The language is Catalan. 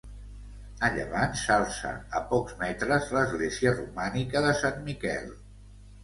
A llevant s'alça a pocs metres l'església romànica de Sant Miquel.